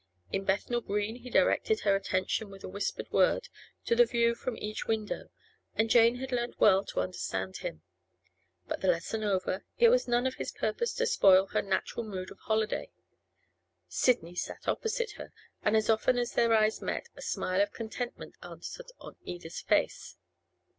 In Bethnal Green he directed her attention with a whispered word to the view from each window, and Jane had learnt well to understand him. But, the lesson over, it was none of his purpose to spoil her natural mood of holiday. Sidney sat opposite her, and as often as their eyes met a smile of contentment answered on either's face.